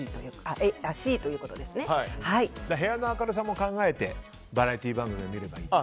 部屋の明るさも考えてバラエティー番組は見ればいいと。